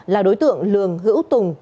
là đối tượng lường hữu tùng